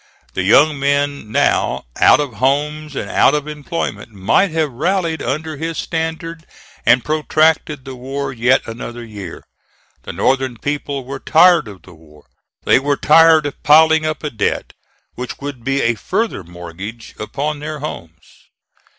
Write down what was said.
The young men now out of homes and out of employment might have rallied under his standard and protracted the war yet another year. The Northern people were tired of the war, they were tired of piling up a debt which would be a further mortgage upon their homes.